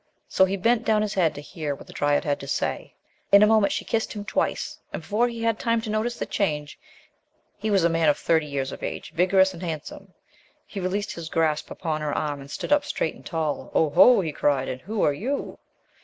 So he bent down his head to hear what the dryad had to say. In a moment she kissed him twice, and, be fore he had time to notice the change, he was a man of thirty years of age, vigorous and handsome. He released his grasp upon her arm and stood up, straight and tall. "Oho!" he cried, "and who are you?"